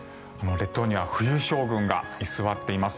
列島には冬将軍が居座っています。